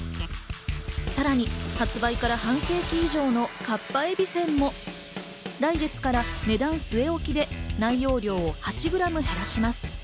さらに発売から半世紀以上のかっぱえびせんも来月から値段据え置きで内容量を８グラム減らします。